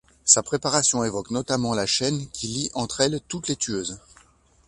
Sa préparation évoque notamment la chaîne qui lie entre elles toutes les Tueuses.